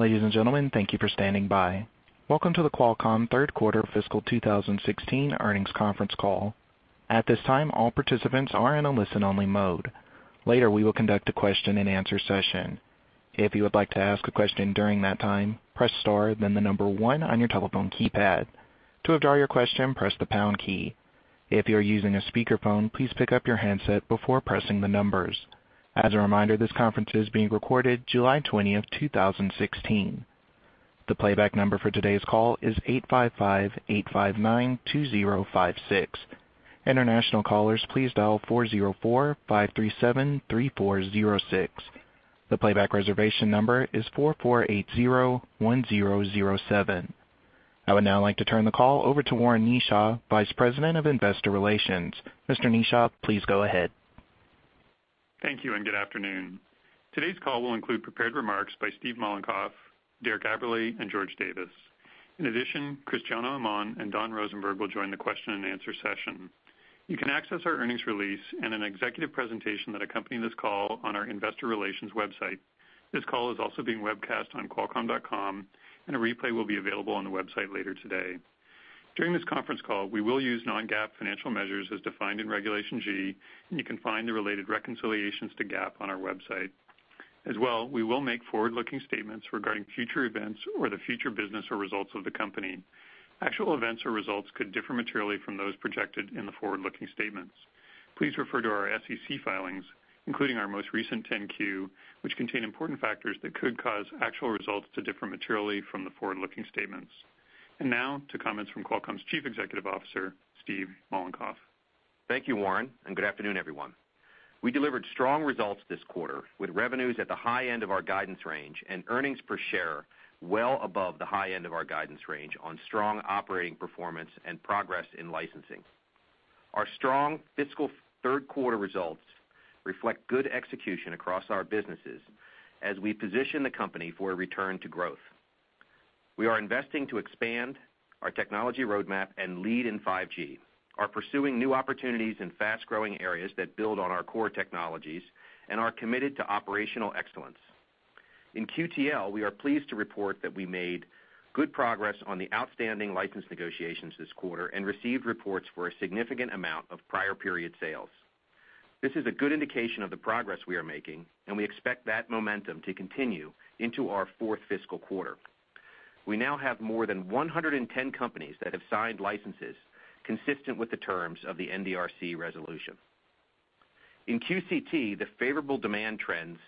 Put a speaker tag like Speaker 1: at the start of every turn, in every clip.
Speaker 1: Ladies and gentlemen, thank you for standing by. Welcome to the Qualcomm Third Quarter Fiscal 2016 Earnings Conference Call. At this time, all participants are in a listen-only mode. Later, we will conduct a question-and-answer session. If you would like to ask a question during that time, press star, then number 1 on your telephone keypad. To withdraw your question, press the pound key. If you are using a speakerphone, please pick up your handset before pressing the numbers. As a reminder, this conference is being recorded July 20th, 2016. The playback number for today's call is 855-859-2056. International callers, please dial 404-537-3406. The playback reservation number is 4480-1007. I would now like to turn the call over to Warren Kneeshaw, Vice President of Investor Relations. Mr. Kneeshaw, please go ahead.
Speaker 2: Thank you. Good afternoon. Today's call will include prepared remarks by Steve Mollenkopf, Derek Aberle, and George Davis. In addition, Cristiano Amon and Don Rosenberg will join the question-and-answer session. You can access our earnings release and an executive presentation that accompany this call on our investor relations website. This call is also being webcast on qualcomm.com, and a replay will be available on the website later today. During this conference call, we will use non-GAAP financial measures as defined in Regulation G, and you can find the related reconciliations to GAAP on our website. As well, we will make forward-looking statements regarding future events or the future business or results of the company. Actual events or results could differ materially from those projected in the forward-looking statements. Please refer to our SEC filings, including our most recent 10-Q, which contain important factors that could cause actual results to differ materially from the forward-looking statements. Now to comments from Qualcomm's Chief Executive Officer, Steve Mollenkopf.
Speaker 3: Thank you, Warren. Good afternoon, everyone. We delivered strong results this quarter with revenues at the high end of our guidance range and earnings per share well above the high end of our guidance range on strong operating performance and progress in licensing. Our strong fiscal third-quarter results reflect good execution across our businesses as we position the company for a return to growth. We are investing to expand our technology roadmap and lead in 5G, are pursuing new opportunities in fast-growing areas that build on our core technologies, and are committed to operational excellence. In QTL, we are pleased to report that we made good progress on the outstanding license negotiations this quarter and received reports for a significant amount of prior period sales. This is a good indication of the progress we are making, and we expect that momentum to continue into our fourth fiscal quarter. We now have more than 110 companies that have signed licenses consistent with the terms of the NDRC resolution. In QCT, the favorable demand trends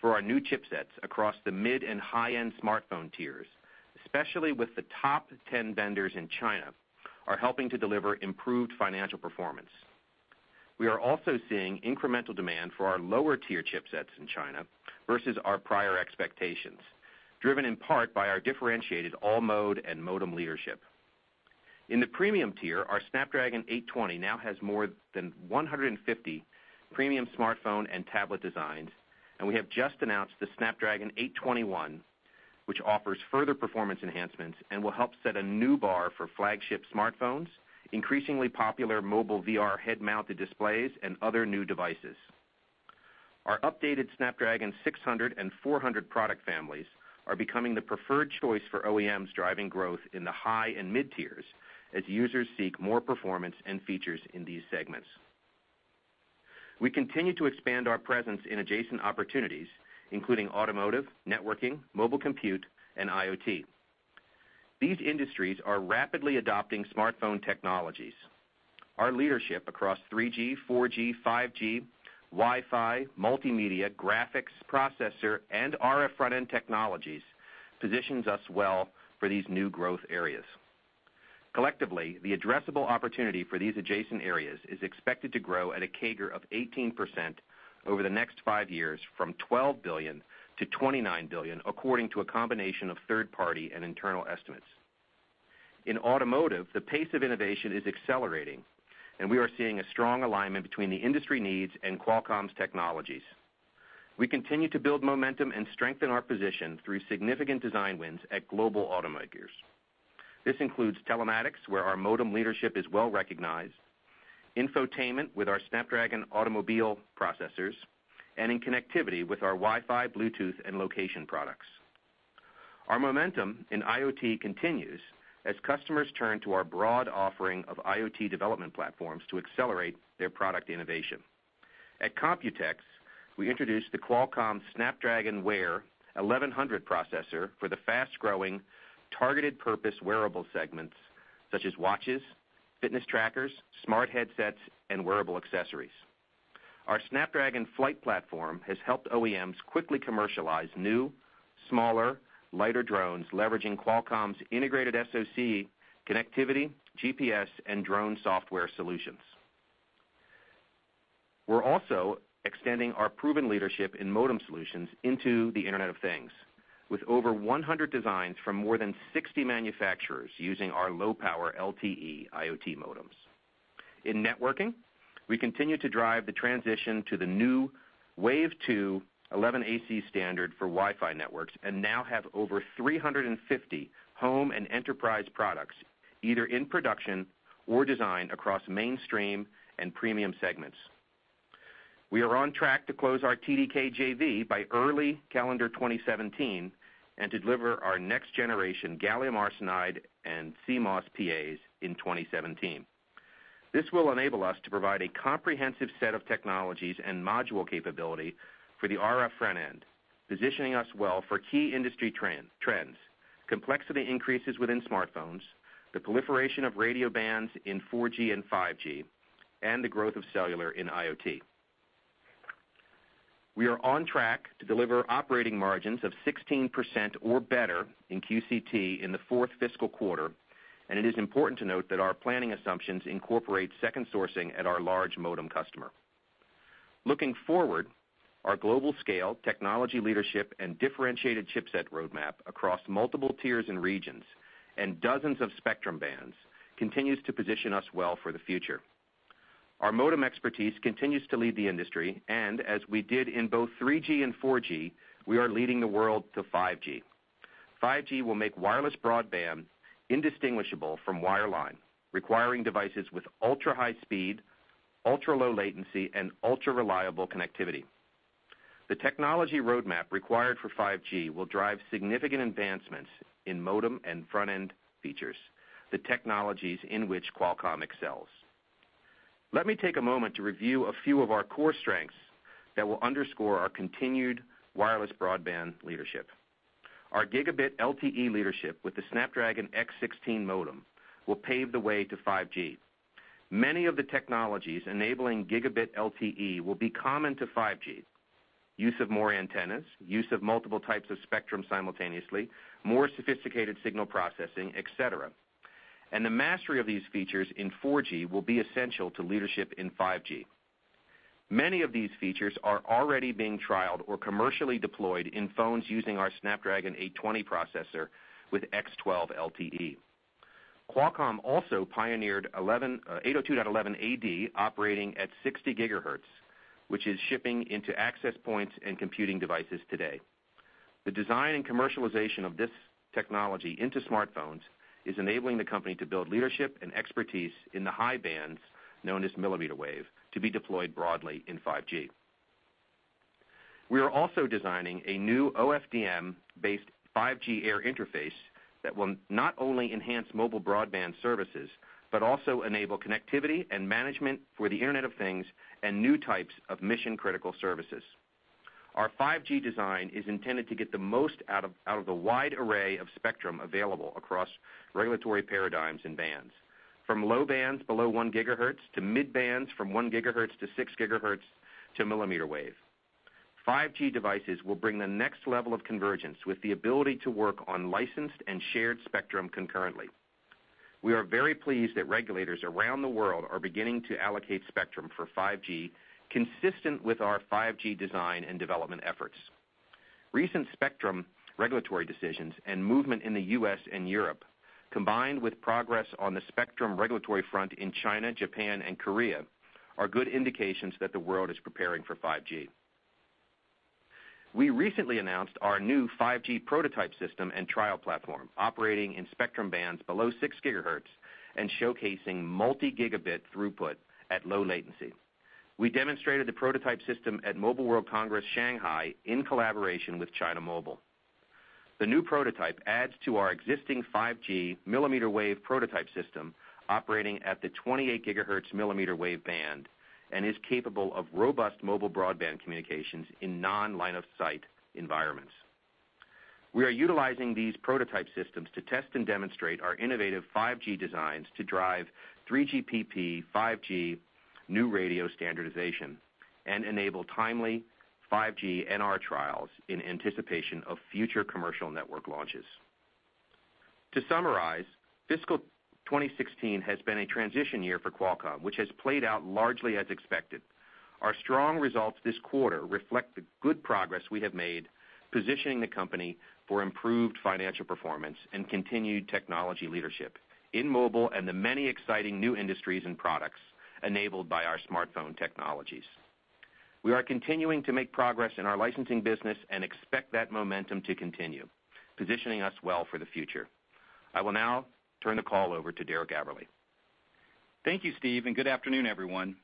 Speaker 3: for our new chipsets across the mid and high-end smartphone tiers, especially with the top 10 vendors in China, are helping to deliver improved financial performance. We are also seeing incremental demand for our lower-tier chipsets in China versus our prior expectations, driven in part by our differentiated all-mode and modem leadership. In the premium tier, our Snapdragon 820 now has more than 150 premium smartphone and tablet designs, and we have just announced the Snapdragon 821, which offers further performance enhancements and will help set a new bar for flagship smartphones, increasingly popular mobile VR head-mounted displays, and other new devices. Our updated Snapdragon 600 and 400 product families are becoming the preferred choice for OEMs driving growth in the high and mid-tiers as users seek more performance and features in these segments. We continue to expand our presence in adjacent opportunities, including automotive, networking, mobile compute, and IoT. These industries are rapidly adopting smartphone technologies. Our leadership across 3G, 4G, 5G, Wi-Fi, multimedia, graphics, processor, and RF front-end technologies positions us well for these new growth areas. Collectively, the addressable opportunity for these adjacent areas is expected to grow at a CAGR of 18% over the next five years from $12 billion-$29 billion, according to a combination of third-party and internal estimates. In automotive, the pace of innovation is accelerating, and we are seeing a strong alignment between the industry needs and Qualcomm's technologies. We continue to build momentum and strengthen our position through significant design wins at global automakers. This includes telematics, where our modem leadership is well-recognized, infotainment with our Snapdragon automobile processors, and in connectivity with our Wi-Fi, Bluetooth, and location products. Our momentum in IoT continues as customers turn to our broad offering of IoT development platforms to accelerate their product innovation. At COMPUTEX, we introduced the Qualcomm Snapdragon Wear 1100 processor for the fast-growing, targeted purpose wearable segments such as watches, fitness trackers, smart headsets, and wearable accessories. Our Snapdragon Flight platform has helped OEMs quickly commercialize new, smaller, lighter drones leveraging Qualcomm's integrated SoC connectivity, GPS, and drone software solutions. We are also extending our proven leadership in modem solutions into the Internet of Things, with over 100 designs from more than 60 manufacturers using our low-power LTE IoT modems. In networking, we continue to drive the transition to the new Wave 2 11AC standard for Wi-Fi networks and now have over 350 home and enterprise products either in production or design across mainstream and premium segments. We are on track to close our TDK JV by early calendar 2017 and to deliver our next generation gallium arsenide and CMOS PAs in 2017. This will enable us to provide a comprehensive set of technologies and module capability for the RF front-end, positioning us well for key industry trends, complexity increases within smartphones, the proliferation of radio bands in 4G and 5G, and the growth of cellular in IoT. We are on track to deliver operating margins of 16% or better in QCT in the fourth fiscal quarter, and it is important to note that our planning assumptions incorporate second sourcing at our large modem customer. Looking forward, our global scale, technology leadership, and differentiated chipset roadmap across multiple tiers and regions and dozens of spectrum bands continues to position us well for the future. Our modem expertise continues to lead the industry, as we did in both 3G and 4G, we are leading the world to 5G. 5G will make wireless broadband indistinguishable from wireline, requiring devices with ultra-high speed, ultra-low latency, and ultra-reliable connectivity. The technology roadmap required for 5G will drive significant advancements in modem and RF front-end features, the technologies in which Qualcomm excels. Let me take a moment to review a few of our core strengths that will underscore our continued wireless broadband leadership. Our gigabit LTE leadership with the Snapdragon X16 modem will pave the way to 5G. Many of the technologies enabling gigabit LTE will be common to 5G, use of more antennas, use of multiple types of spectrum simultaneously, more sophisticated signal processing, et cetera. The mastery of these features in 4G will be essential to leadership in 5G. Many of these features are already being trialed or commercially deployed in phones using our Snapdragon 820 processor with X12 LTE. Qualcomm also pioneered 802.11ad operating at 60 GHz, which is shipping into access points and computing devices today. The design and commercialization of this technology into smartphones is enabling the company to build leadership and expertise in the high bands known as millimeter wave to be deployed broadly in 5G. We are also designing a new OFDM-based 5G air interface that will not only enhance mobile broadband services, but also enable connectivity and management for the Internet of Things and new types of mission-critical services. Our 5G design is intended to get the most out of the wide array of spectrum available across regulatory paradigms and bands, from low bands below 1 GHz to mid-bands from 1 GHz to 6 GHz, to millimeter wave. 5G devices will bring the next level of convergence with the ability to work on licensed and shared spectrum concurrently. We are very pleased that regulators around the world are beginning to allocate spectrum for 5G consistent with our 5G design and development efforts. Recent spectrum regulatory decisions and movement in the U.S. and Europe, combined with progress on the spectrum regulatory front in China, Japan, and Korea, are good indications that the world is preparing for 5G. We recently announced our new 5G prototype system and trial platform operating in spectrum bands below 6 GHz and showcasing multi-gigabit throughput at low latency. We demonstrated the prototype system at Mobile World Congress Shanghai, in collaboration with China Mobile. The new prototype adds to our existing 5G millimeter wave prototype system operating at the 28 GHz millimeter wave band and is capable of robust mobile broadband communications in non-line of sight environments. We are utilizing these prototype systems to test and demonstrate our innovative 5G designs to drive 3GPP 5G New Radio standardization and enable timely 5G NR trials in anticipation of future commercial network launches. To summarize, fiscal 2016 has been a transition year for Qualcomm, which has played out largely as expected. Our strong results this quarter reflect the good progress we have made positioning the company for improved financial performance and continued technology leadership in mobile and the many exciting new industries and products enabled by our smartphone technologies. We are continuing to make progress in our licensing business and expect that momentum to continue, positioning us well for the future. I will now turn the call over to Derek Aberle.
Speaker 4: Thank you, Steve, and good afternoon, everyone.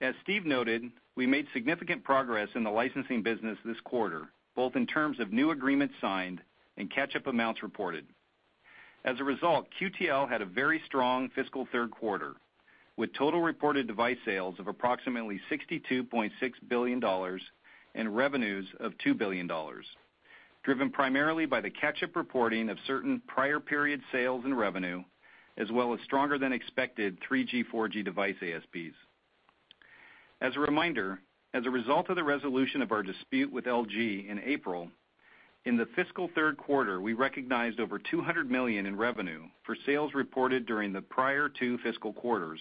Speaker 4: As Steve noted, we made significant progress in the licensing business this quarter, both in terms of new agreements signed and catch-up amounts reported. As a result, QTL had a very strong fiscal third quarter, with total reported device sales of approximately $62.6 billion and revenues of $2 billion, driven primarily by the catch-up reporting of certain prior period sales and revenue, as well as stronger than expected 3G, 4G device ASPs. As a reminder, as a result of the resolution of our dispute with LG in April, in the fiscal third quarter, we recognized over $200 million in revenue for sales reported during the prior two fiscal quarters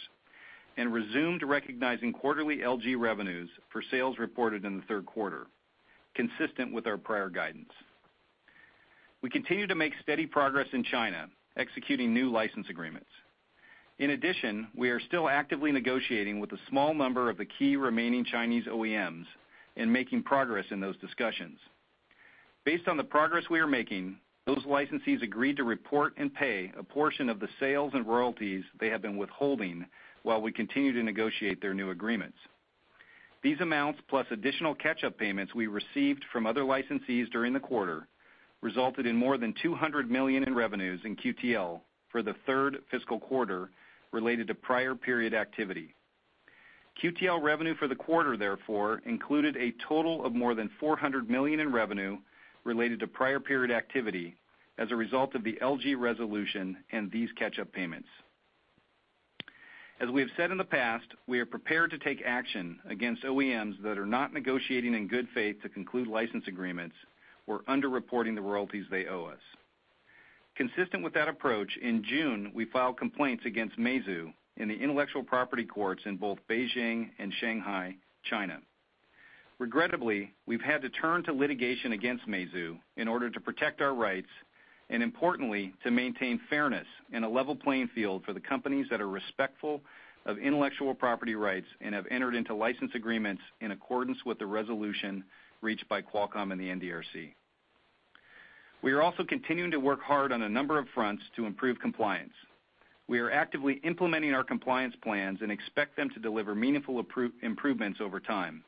Speaker 4: and resumed recognizing quarterly LG revenues for sales reported in the third quarter, consistent with our prior guidance. We continue to make steady progress in China, executing new license agreements. We are still actively negotiating with a small number of the key remaining Chinese OEMs and making progress in those discussions. Based on the progress we are making, those licensees agreed to report and pay a portion of the sales and royalties they have been withholding while we continue to negotiate their new agreements. These amounts, plus additional catch-up payments we received from other licensees during the quarter, resulted in more than $200 million in revenues in QTL for the third fiscal quarter related to prior period activity. QTL revenue for the quarter, therefore, included a total of more than $400 million in revenue related to prior period activity as a result of the LG resolution and these catch-up payments. As we have said in the past, we are prepared to take action against OEMs that are not negotiating in good faith to conclude license agreements or under-reporting the royalties they owe us. Consistent with that approach, in June, we filed complaints against Meizu in the intellectual property courts in both Beijing and Shanghai, China. Regrettably, we've had to turn to litigation against Meizu in order to protect our rights, and importantly, to maintain fairness and a level playing field for the companies that are respectful of intellectual property rights and have entered into license agreements in accordance with the resolution reached by Qualcomm and the NDRC. We are also continuing to work hard on a number of fronts to improve compliance. We are actively implementing our compliance plans and expect them to deliver meaningful improvements over time.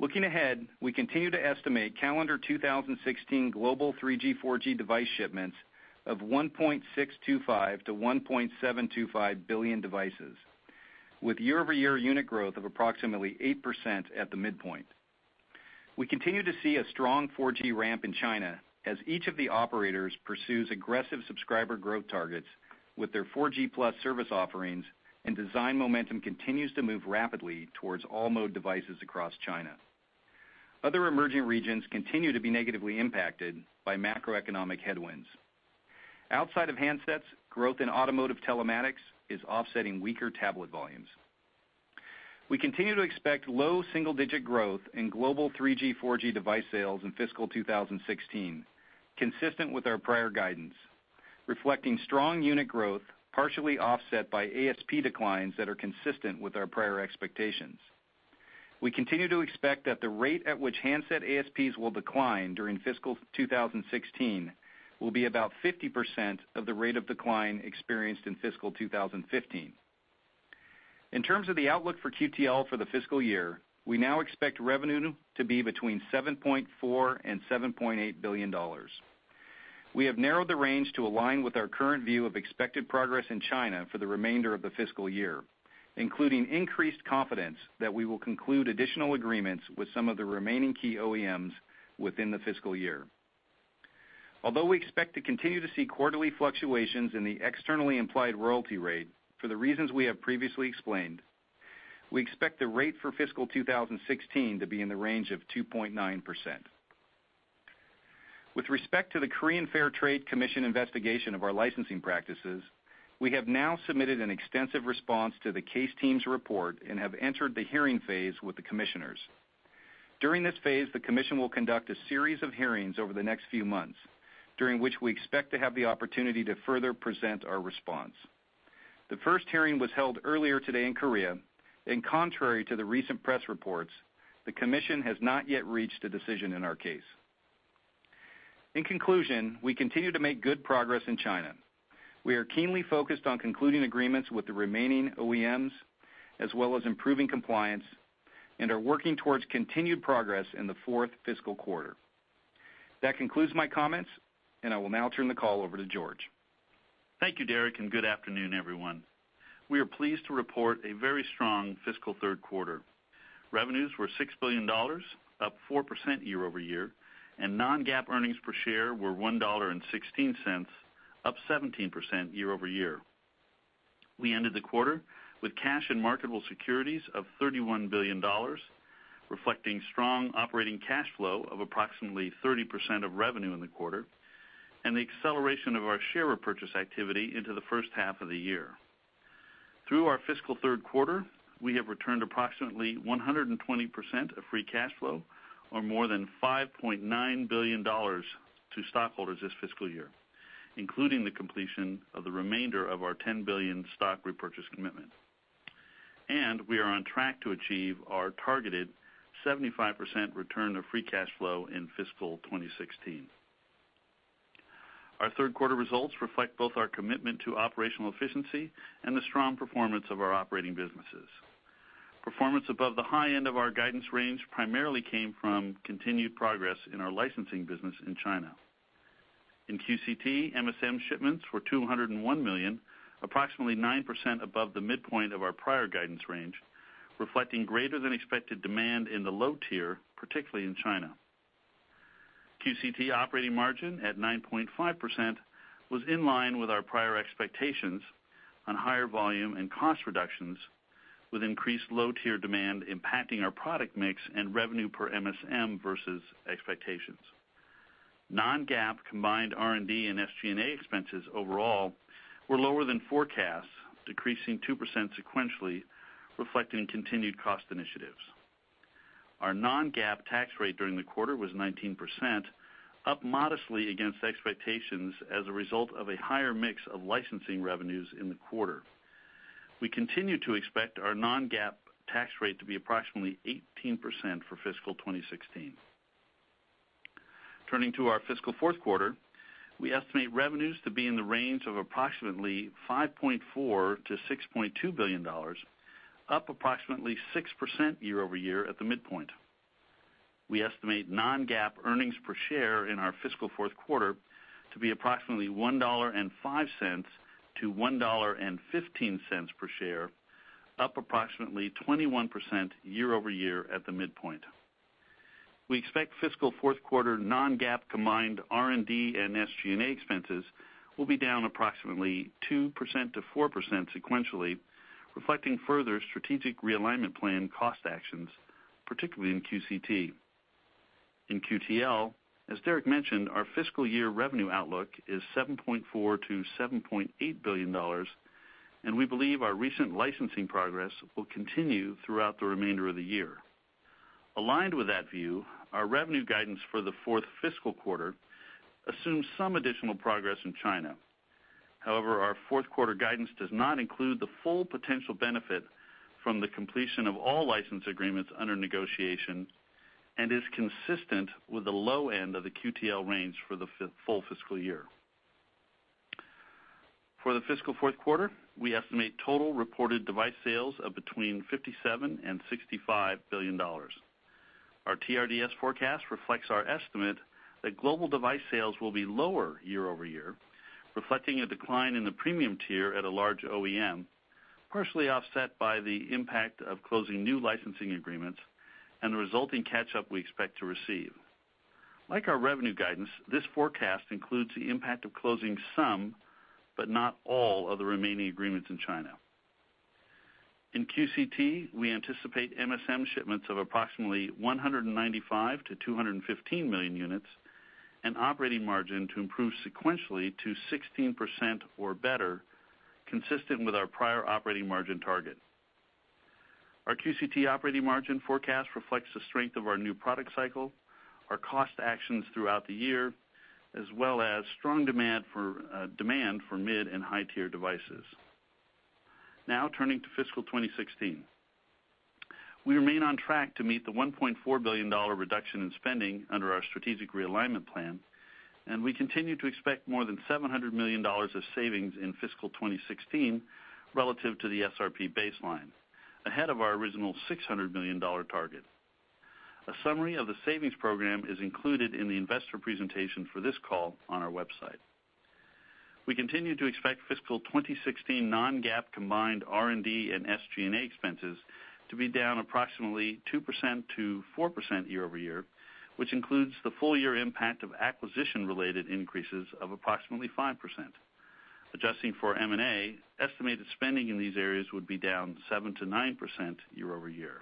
Speaker 4: Looking ahead, we continue to estimate calendar 2016 global 3G, 4G device shipments of 1.625 billion to 1.725 billion devices, with year-over-year unit growth of approximately 8% at the midpoint. We continue to see a strong 4G ramp in China as each of the operators pursues aggressive subscriber growth targets with their 4G+ service offerings, and design momentum continues to move rapidly towards all-mode devices across China. Other emerging regions continue to be negatively impacted by macroeconomic headwinds. Outside of handsets, growth in automotive telematics is offsetting weaker tablet volumes. We continue to expect low single-digit growth in global 3G, 4G device sales in fiscal 2016, consistent with our prior guidance, reflecting strong unit growth, partially offset by ASP declines that are consistent with our prior expectations. We continue to expect that the rate at which handset ASPs will decline during fiscal 2016 will be about 50% of the rate of decline experienced in fiscal 2015. In terms of the outlook for QTL for the fiscal year, we now expect revenue to be between $7.4 billion and $7.8 billion. We have narrowed the range to align with our current view of expected progress in China for the remainder of the fiscal year, including increased confidence that we will conclude additional agreements with some of the remaining key OEMs within the fiscal year. Although we expect to continue to see quarterly fluctuations in the externally implied royalty rate for the reasons we have previously explained, we expect the rate for fiscal 2016 to be in the range of 2.9%. With respect to the Korea Fair Trade Commission investigation of our licensing practices, we have now submitted an extensive response to the case team's report and have entered the hearing phase with the commissioners. During this phase, the commission will conduct a series of hearings over the next few months, during which we expect to have the opportunity to further present our response. The first hearing was held earlier today in Korea, and contrary to the recent press reports, the commission has not yet reached a decision in our case. In conclusion, we continue to make good progress in China. We are keenly focused on concluding agreements with the remaining OEMs, as well as improving compliance, and are working towards continued progress in the fourth fiscal quarter. That concludes my comments, and I will now turn the call over to George.
Speaker 5: Thank you, Derek. Good afternoon, everyone. We are pleased to report a very strong fiscal third quarter. Revenues were $6 billion, up 4% year-over-year, and non-GAAP earnings per share were $1.16, up 17% year-over-year. We ended the quarter with cash and marketable securities of $31 billion, reflecting strong operating cash flow of approximately 30% of revenue in the quarter, and the acceleration of our share repurchase activity into the first half of the year. Through our fiscal third quarter, we have returned approximately 120% of free cash flow, or more than $5.9 billion to stockholders this fiscal year, including the completion of the remainder of our $10 billion stock repurchase commitment. We are on track to achieve our targeted 75% return of free cash flow in fiscal 2016. Our third quarter results reflect both our commitment to operational efficiency and the strong performance of our operating businesses. Performance above the high end of our guidance range primarily came from continued progress in our licensing business in China. In QCT, MSM shipments were 201 million, approximately 9% above the midpoint of our prior guidance range, reflecting greater than expected demand in the low tier, particularly in China. QCT operating margin at 9.5% was in line with our prior expectations on higher volume and cost reductions, with increased low-tier demand impacting our product mix and revenue per MSM versus expectations. Non-GAAP combined R&D and SG&A expenses overall were lower than forecasts, decreasing 2% sequentially, reflecting continued cost initiatives. Our non-GAAP tax rate during the quarter was 19%, up modestly against expectations as a result of a higher mix of licensing revenues in the quarter. We continue to expect our non-GAAP tax rate to be approximately 18% for fiscal 2016. Turning to our fiscal fourth quarter, we estimate revenues to be in the range of approximately $5.4 billion-$6.2 billion, up approximately 6% year-over-year at the midpoint. We estimate non-GAAP earnings per share in our fiscal fourth quarter to be approximately $1.05-$1.15 per share, up approximately 21% year-over-year at the midpoint. We expect fiscal fourth quarter non-GAAP combined R&D and SG&A expenses will be down approximately 2%-4% sequentially, reflecting further Strategic Realignment Plan cost actions, particularly in QCT. In QTL, as Derek mentioned, our fiscal year revenue outlook is $7.4 billion-$7.8 billion, and we believe our recent licensing progress will continue throughout the remainder of the year. Aligned with that view, our revenue guidance for the fourth fiscal quarter assumes some additional progress in China. However, our fourth-quarter guidance does not include the full potential benefit from the completion of all license agreements under negotiation and is consistent with the low end of the QTL range for the full fiscal year. For the fiscal fourth quarter, we estimate total reported device sales of between $57 billion and $65 billion. Our TRDS forecast reflects our estimate that global device sales will be lower year-over-year, reflecting a decline in the premium tier at a large OEM, partially offset by the impact of closing new licensing agreements and the resulting catch-up we expect to receive. Like our revenue guidance, this forecast includes the impact of closing some, but not all, of the remaining agreements in China. In QCT, we anticipate MSM shipments of approximately 195 million to 215 million units and operating margin to improve sequentially to 16% or better, consistent with our prior operating margin target. Our QCT operating margin forecast reflects the strength of our new product cycle, our cost actions throughout the year, as well as strong demand for mid and high-tier devices. Now turning to fiscal 2016. We remain on track to meet the $1.4 billion reduction in spending under our Strategic Realignment Plan, and we continue to expect more than $700 million of savings in fiscal 2016 relative to the SRP baseline, ahead of our original $600 million target. A summary of the savings program is included in the investor presentation for this call on our website. We continue to expect fiscal 2016 non-GAAP combined R&D and SG&A expenses to be down approximately 2%-4% year-over-year, which includes the full-year impact of acquisition-related increases of approximately 5%. Adjusting for M&A, estimated spending in these areas would be down 7%-9% year-over-year.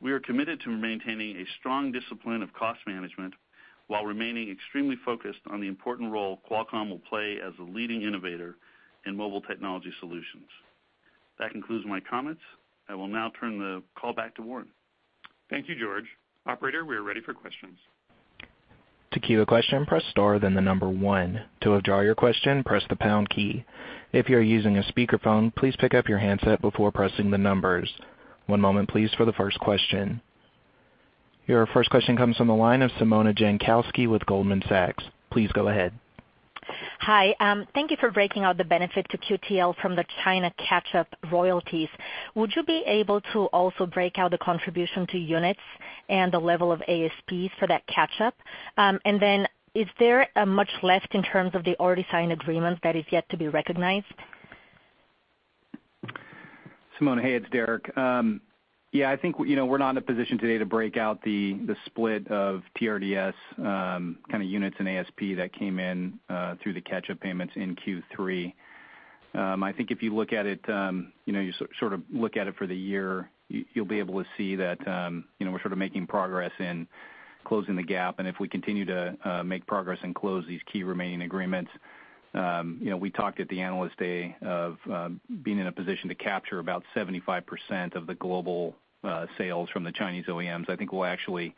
Speaker 5: We are committed to maintaining a strong discipline of cost management while remaining extremely focused on the important role Qualcomm will play as a leading innovator in mobile technology solutions. That concludes my comments. I will now turn the call back to Warren.
Speaker 2: Thank you, George. Operator, we are ready for questions.
Speaker 1: To queue a question, press star, then the number 1. To withdraw your question, press the pound key. If you are using a speakerphone, please pick up your handset before pressing the numbers. One moment, please, for the first question. Your first question comes from the line of Simona Jankowski with Goldman Sachs. Please go ahead.
Speaker 6: Hi. Thank you for breaking out the benefit to QTL from the China catch-up royalties. Would you be able to also break out the contribution to units and the level of ASPs for that catch-up? Is there much left in terms of the already signed agreement that is yet to be recognized?
Speaker 4: Simona, hey, it's Derek. I think we're not in a position today to break out the split of TRDS units and ASP that came in through the catch-up payments in Q3. I think if you look at it for the year, you'll be able to see that we're sort of making progress in closing the gap. If we continue to make progress and close these key remaining agreements, we talked at the Analyst Day of being in a position to capture about 75% of the global sales from the Chinese OEMs. I think we'll actually,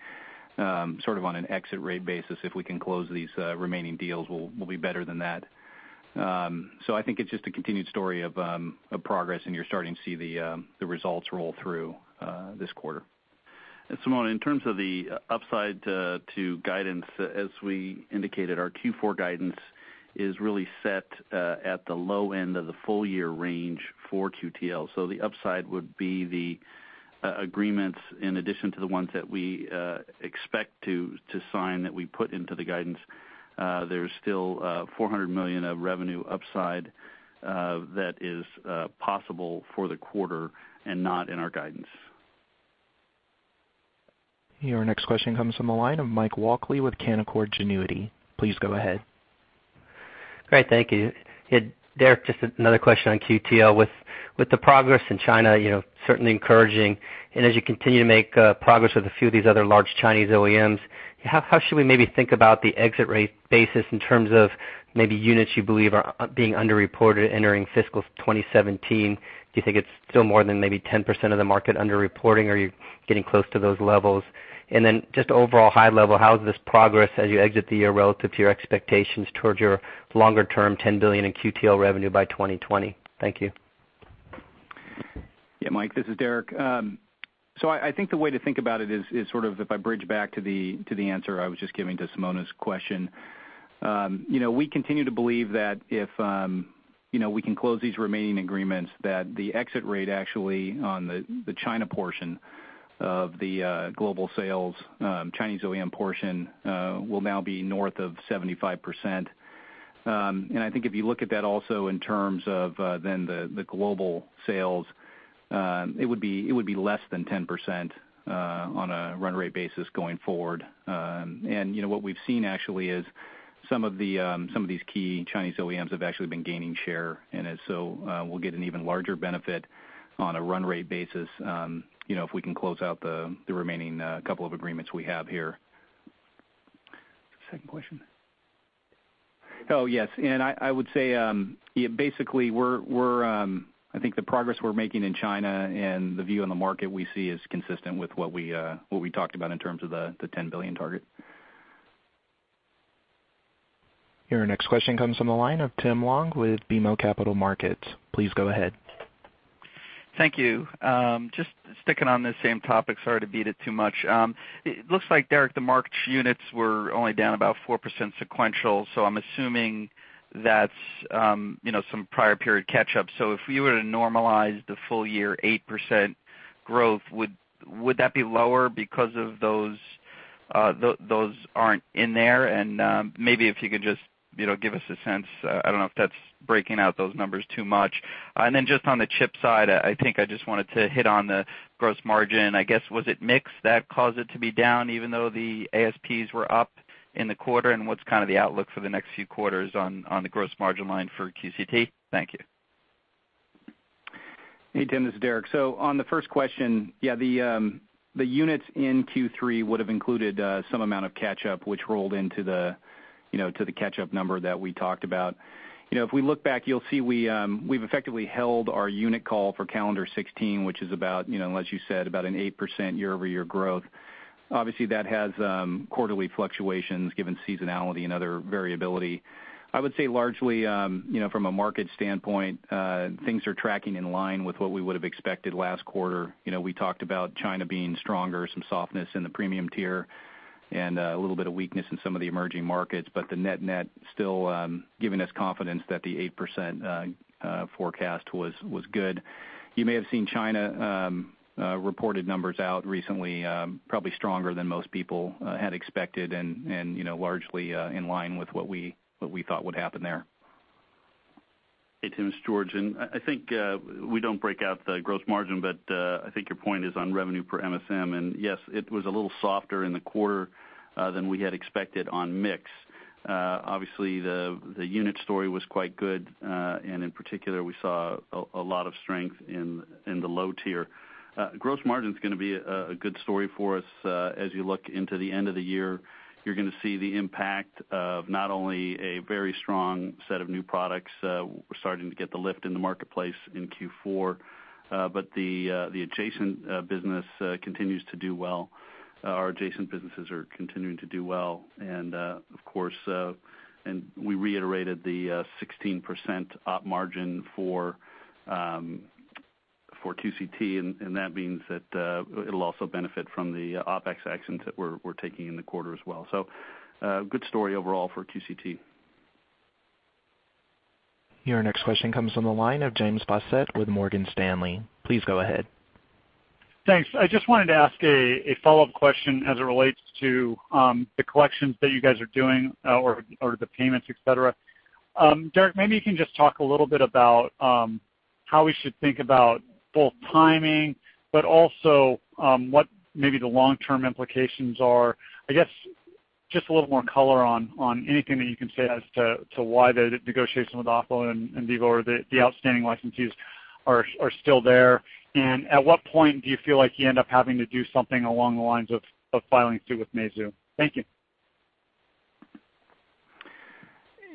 Speaker 4: sort of on an exit rate basis, if we can close these remaining deals, we'll be better than that. I think it's just a continued story of progress, and you're starting to see the results roll through this quarter.
Speaker 2: Simona, in terms of the upside to guidance, as we indicated, our Q4 guidance is really set at the low end of the full-year range for QTL. The upside would be the agreements in addition to the ones that we expect to sign that we put into the guidance. There's still $400 million of revenue upside that is possible for the quarter and not in our guidance.
Speaker 1: Your next question comes from the line of Mike Walkley with Canaccord Genuity. Please go ahead.
Speaker 7: Great, thank you. Derek, just another question on QTL. With the progress in China, certainly encouraging. As you continue to make progress with a few of these other large Chinese OEMs, how should we maybe think about the exit rate basis in terms of maybe units you believe are being underreported entering fiscal 2017? Do you think it's still more than maybe 10% of the market under-reporting, or are you getting close to those levels? Just overall high level, how is this progress as you exit the year relative to your expectations towards your longer-term $10 billion in QTL revenue by 2020? Thank you.
Speaker 4: Mike, this is Derek. I think the way to think about it is sort of if I bridge back to the answer I was just giving to Simona's question. We continue to believe that if we can close these remaining agreements, that the exit rate actually on the China portion of the global sales, Chinese OEM portion, will now be north of 75%. I think if you look at that also in terms of then the global sales, it would be less than 10% on a run rate basis going forward. What we've seen actually is some of these key Chinese OEMs have actually been gaining share, and as so, we'll get an even larger benefit on a run rate basis if we can close out the remaining couple of agreements we have here. Second question. Oh, yes. I would say, basically I think the progress we're making in China and the view on the market we see is consistent with what we talked about in terms of the $10 billion target.
Speaker 1: Your next question comes from the line of Tim Long with BMO Capital Markets. Please go ahead.
Speaker 8: Thank you. Just sticking on this same topic, sorry to beat it too much. It looks like, Derek, the marked units were only down about 4% sequential, so I'm assuming that's some prior period catch-up. If we were to normalize the full year 8% growth, would that be lower because of those aren't in there? Maybe if you could just give us a sense, I don't know if that's breaking out those numbers too much. Just on the chip side, I think I just wanted to hit on the gross margin. I guess, was it mix that caused it to be down even though the ASPs were up in the quarter? What's kind of the outlook for the next few quarters on the gross margin line for QCT? Thank you.
Speaker 4: Hey, Tim, this is Derek. On the first question, yeah, the units in Q3 would've included some amount of catch-up which rolled into the catch-up number that we talked about. If we look back, you'll see we've effectively held our unit call for calendar 2016, which is about, as you said, about an 8% year-over-year growth. Obviously, that has quarterly fluctuations given seasonality and other variability. I would say largely, from a market standpoint, things are tracking in line with what we would've expected last quarter. We talked about China being stronger, some softness in the premium tier, and a little bit of weakness in some of the emerging markets. The net still giving us confidence that the 8% forecast was good. You may have seen China reported numbers out recently probably stronger than most people had expected and largely in line with what we thought would happen there.
Speaker 5: Hey, Tim, it's George. I think we don't break out the gross margin. I think your point is on revenue per MSM. Yes, it was a little softer in the quarter than we had expected on mix. Obviously, the unit story was quite good. In particular, we saw a lot of strength in the low tier. Gross margin's gonna be a good story for us as you look into the end of the year. You're gonna see the impact of not only a very strong set of new products, we're starting to get the lift in the marketplace in Q4. The adjacent business continues to do well. Our adjacent businesses are continuing to do well. Of course, we reiterated the 16% op margin for QCT. That means that it'll also benefit from the OpEx actions that we're taking in the quarter as well. Good story overall for QCT.
Speaker 1: Your next question comes from the line of James Faucette with Morgan Stanley. Please go ahead.
Speaker 9: Thanks. I just wanted to ask a follow-up question as it relates to the collections that you guys are doing or the payments, et cetera. Derek, maybe you can just talk a little bit about how we should think about both timing, but also what maybe the long-term implications are. I guess just a little more color on anything that you can say as to why the negotiation with Oppo and Vivo or the outstanding licensees are still there. At what point do you feel like you end up having to do something along the lines of filings too with Meizu? Thank you.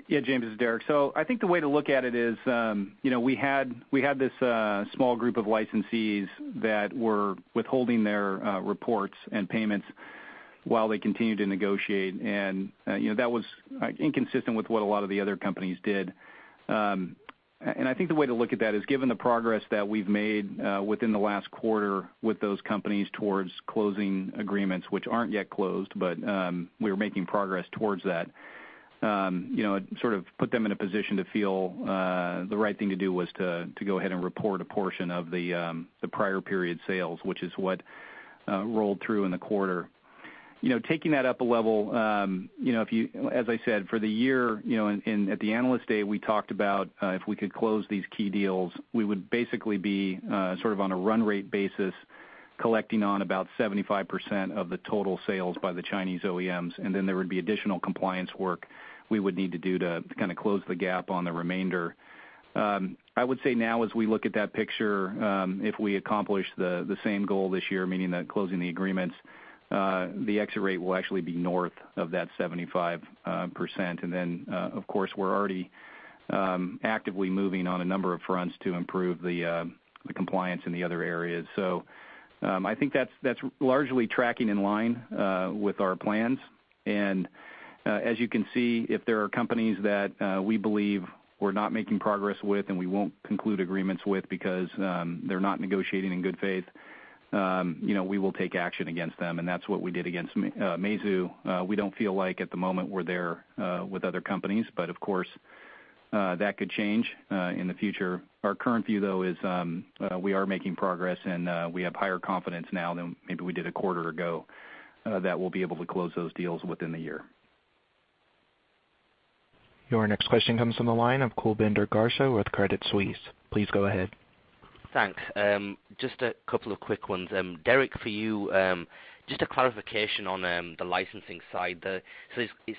Speaker 4: Yeah, James, this is Derek. I think the way to look at it is we had this small group of licensees that were withholding their reports and payments while they continued to negotiate. That was inconsistent with what a lot of the other companies did. I think the way to look at that is given the progress that we've made within the last quarter with those companies towards closing agreements, which aren't yet closed, but we were making progress towards that. It sort of put them in a position to feel the right thing to do was to go ahead and report a portion of the prior period sales, which is what rolled through in the quarter. Taking that up a level, as I said, for the year at the Analyst Day, we talked about if we could close these key deals, we would basically be sort of on a run rate basis collecting on about 75% of the total sales by the Chinese OEMs, then there would be additional compliance work we would need to do to kind of close the gap on the remainder. I would say now as we look at that picture, if we accomplish the same goal this year, meaning that closing the agreements, the exit rate will actually be north of that 75%. Then, of course, we're already actively moving on a number of fronts to improve the compliance in the other areas. I think that's largely tracking in line with our plans. As you can see, if there are companies that we believe we're not making progress with and we won't conclude agreements with because they're not negotiating in good faith, we will take action against them, and that's what we did against Meizu. We don't feel like at the moment we're there with other companies, but of course, that could change in the future. Our current view, though, is we are making progress, and we have higher confidence now than maybe we did a quarter ago, that we'll be able to close those deals within the year.
Speaker 1: Your next question comes from the line of Kulbinder Garcha with Credit Suisse. Please go ahead.
Speaker 10: Thanks. Just a couple of quick ones. Derek, for you, just a clarification on the licensing side. It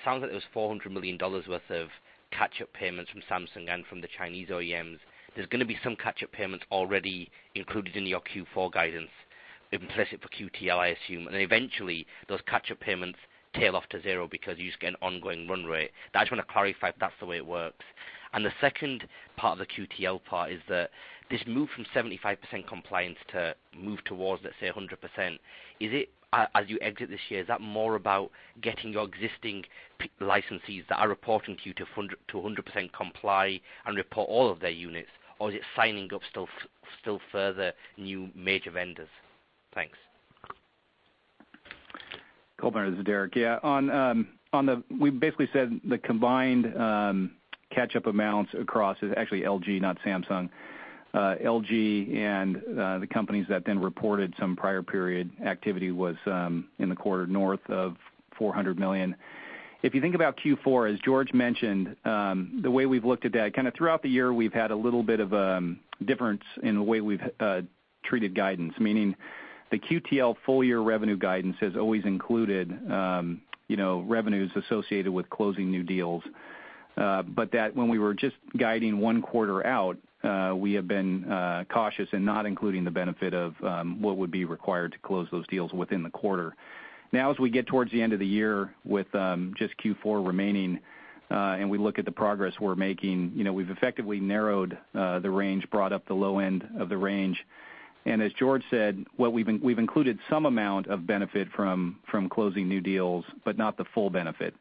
Speaker 10: sounds like there was $400 million worth of catch-up payments from Samsung and from the Chinese OEMs. There's going to be some catch-up payments already included in your Q4 guidance, implicit for QTL, I assume. Eventually, those catch-up payments tail off to zero because you just get an ongoing run rate. I just want to clarify if that's the way it works. The second part of the QTL part is that this move from 75% compliance to move towards, let's say, 100%, as you exit this year, is that more about getting your existing licensees that are reporting to you to 100% comply and report all of their units, or is it signing up still further new major vendors? Thanks.
Speaker 4: Kulbinder, this is Derek. Yeah. We basically said the combined catch-up amounts across is actually LG, not Samsung. LG and the companies that then reported some prior period activity was in the quarter north of $400 million. If you think about Q4, as George mentioned, the way we've looked at that, kind of throughout the year, we've had a little bit of a difference in the way we've treated guidance, meaning the QTL full-year revenue guidance has always included revenues associated with closing new deals. That when we were just guiding one quarter out, we have been cautious in not including the benefit of what would be required to close those deals within the quarter. Now, as we get towards the end of the year with just Q4 remaining, we look at the progress we're making, we've effectively narrowed the range, brought up the low end of the range. As George said, we've included some amount of benefit from closing new deals, but not the full benefit.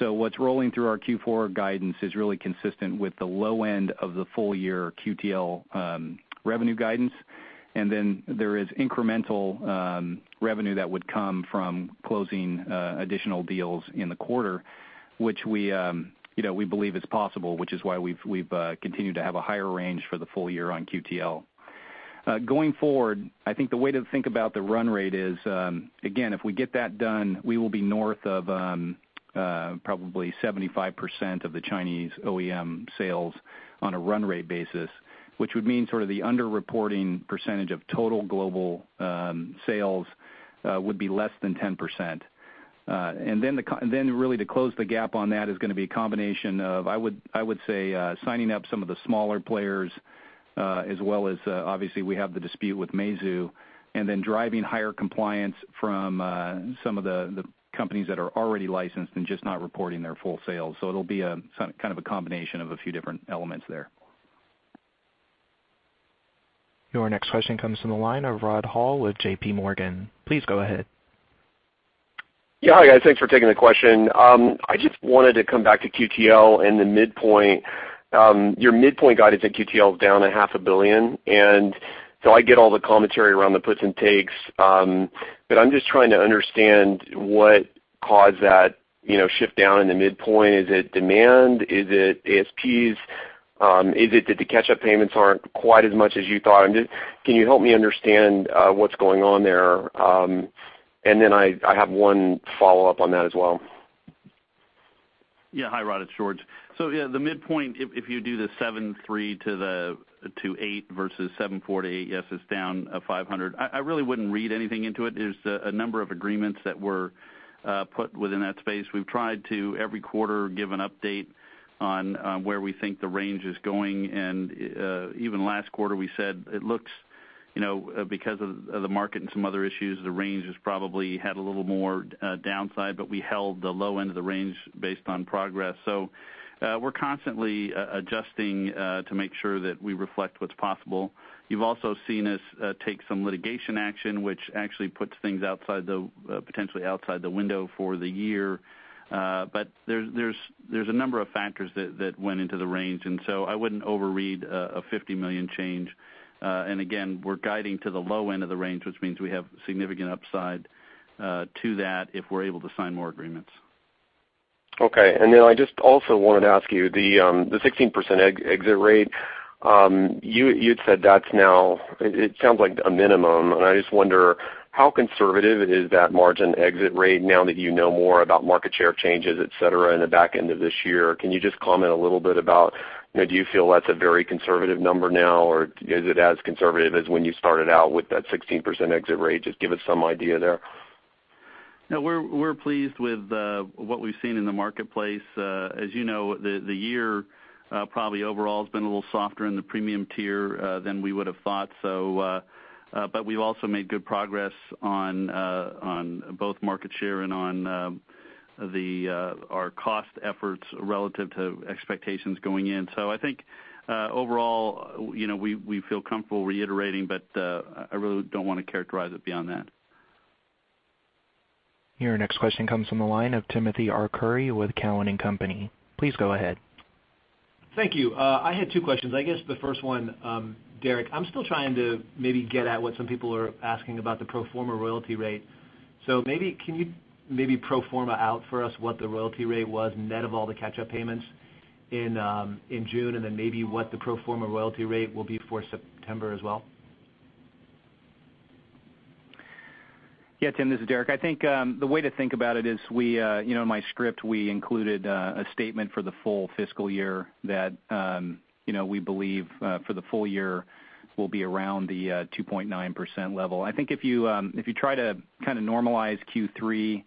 Speaker 4: What's rolling through our Q4 guidance is really consistent with the low end of the full-year QTL revenue guidance. There is incremental revenue that would come from closing additional deals in the quarter, which we believe is possible, which is why we've continued to have a higher range for the full year on QTL. Going forward, I think the way to think about the run rate is, again, if we get that done, we will be north of probably 75% of the Chinese OEM sales on a run rate basis, which would mean sort of the under-reporting percentage of total global sales would be less than 10%. Really to close the gap on that is going to be a combination of, I would say, signing up some of the smaller players as well as obviously we have the dispute with Meizu, driving higher compliance from some of the companies that are already licensed and just not reporting their full sales. It'll be kind of a combination of a few different elements there.
Speaker 1: Your next question comes from the line of Rod Hall with JPMorgan. Please go ahead.
Speaker 11: Yeah. Hi, guys. Thanks for taking the question. I just wanted to come back to QTL and the midpoint. Your midpoint guidance at QTL is down a half a billion. I get all the commentary around the puts and takes, but I'm just trying to understand what caused that shift down in the midpoint. Is it demand? Is it ASPs? Is it that the catch-up payments aren't quite as much as you thought? Can you help me understand what's going on there? I have one follow-up on that as well.
Speaker 5: Hi, Rod. It's George. The midpoint, if you do the 7.3 to 8 versus 7.4 to 8, yes, it's down 500. I really wouldn't read anything into it. There's a number of agreements that were put within that space. We've tried to every quarter give an update on where we think the range is going, and even last quarter, we said it looks, because of the market and some other issues, the range has probably had a little more downside, but we held the low end of the range based on progress. We're constantly adjusting to make sure that we reflect what's possible. You've also seen us take some litigation action, which actually puts things potentially outside the window for the year. There's a number of factors that went into the range, I wouldn't overread a $50 million change.
Speaker 4: Again, we're guiding to the low end of the range, which means we have significant upside to that if we're able to sign more agreements.
Speaker 11: I just also wanted to ask you, the 16% exit rate, you had said that's now, it sounds like a minimum, and I just wonder how conservative is that margin exit rate now that you know more about market share changes, et cetera, in the back end of this year. Can you just comment a little bit about, do you feel that's a very conservative number now, or is it as conservative as when you started out with that 16% exit rate? Just give us some idea there.
Speaker 4: We're pleased with what we've seen in the marketplace. As you know, the year probably overall has been a little softer in the premium tier than we would have thought. We've also made good progress on both market share and on
Speaker 5: our cost efforts relative to expectations going in. I think overall, we feel comfortable reiterating, but I really don't want to characterize it beyond that.
Speaker 1: Your next question comes from the line of Timothy Arcuri with Cowen and Company. Please go ahead.
Speaker 12: Thank you. I had two questions. I guess the first one, Derek, I'm still trying to maybe get at what some people are asking about the pro forma royalty rate. Maybe can you maybe pro forma out for us what the royalty rate was net of all the catch-up payments in June? And then maybe what the pro forma royalty rate will be for September as well?
Speaker 4: Yeah, Tim, this is Derek. I think, the way to think about it is, in my script, we included a statement for the full fiscal year that we believe for the full year will be around the 2.9% level. I think if you try to kind of normalize Q3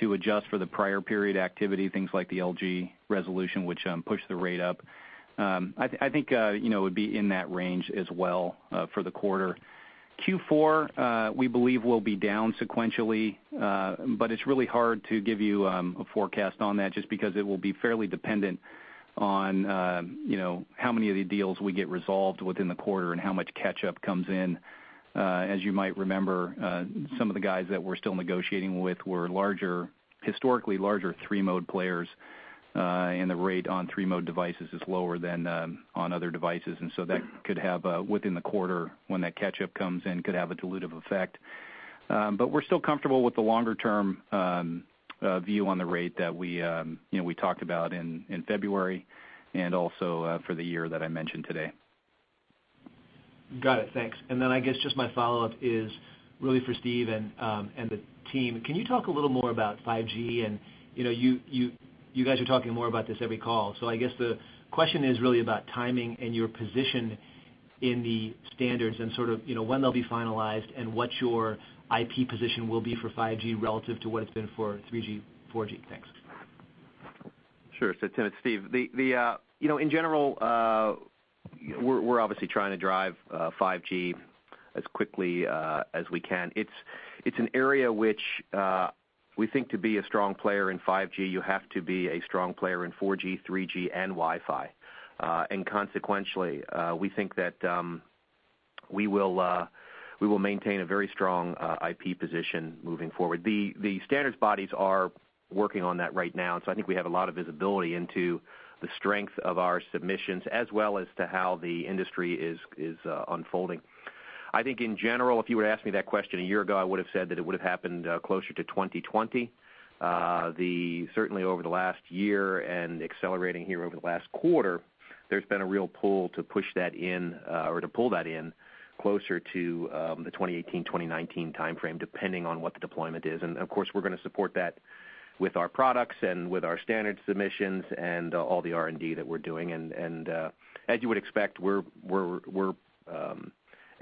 Speaker 4: to adjust for the prior period activity, things like the LG resolution, which pushed the rate up, I think it would be in that range as well for the quarter. Q4, we believe, will be down sequentially, but it's really hard to give you a forecast on that just because it will be fairly dependent on how many of the deals we get resolved within the quarter and how much catch-up comes in. As you might remember, some of the guys that we're still negotiating with were historically larger three-mode players, and the rate on three-mode devices is lower than on other devices. That could have, within the quarter when that catch-up comes in, could have a dilutive effect. We're still comfortable with the longer-term view on the rate that we talked about in February and also for the year that I mentioned today.
Speaker 12: Got it. Thanks. I guess just my follow-up is really for Steve and the team. Can you talk a little more about 5G? You guys are talking more about this every call. I guess the question is really about timing and your position in the standards and sort of when they'll be finalized and what your IP position will be for 5G relative to what it's been for 3G, 4G. Thanks.
Speaker 3: Sure. Tim, it's Steve. In general, we're obviously trying to drive 5G as quickly as we can. It's an area which we think to be a strong player in 5G, you have to be a strong player in 4G, 3G, and Wi-Fi. Consequentially, we think that we will maintain a very strong IP position moving forward. The standards bodies are working on that right now, I think we have a lot of visibility into the strength of our submissions as well as to how the industry is unfolding. I think in general, if you were to ask me that question a year ago, I would have said that it would have happened closer to 2020. Certainly over the last year and accelerating here over the last quarter, there's been a real pull to push that in, or to pull that in closer to the 2018, 2019 timeframe, depending on what the deployment is. Of course, we're going to support that with our products and with our standards submissions and all the R&D that we're doing. As you would expect, we're